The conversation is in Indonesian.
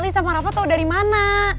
alisa marava tau dari mana